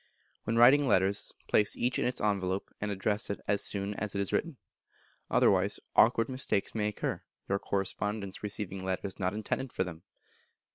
When writing several letters, place each in its envelope, and address it as soon as it is written. Otherwise awkward mistakes may occur, your correspondents receiving letters not intended for them.